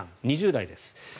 ２０代です。